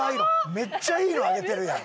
めっちゃいいのあげてるやん。